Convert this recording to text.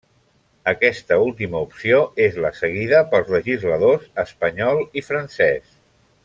Aquesta última opció és la seguida pels legisladors espanyol i francès.